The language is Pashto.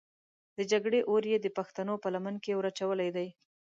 د جګړې اور یې د پښتنو په لمن کې ور اچولی دی.